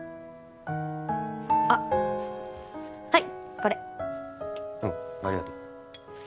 あっはいこれおうありがとう